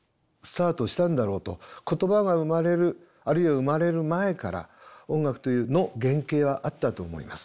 言葉が生まれるあるいは生まれる前から音楽の原型はあったと思います。